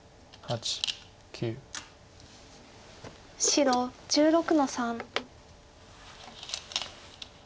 白１６の三。